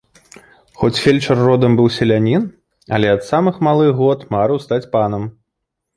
Хоць фельчар родам быў селянін, але ад самых малых год марыў стаць панам.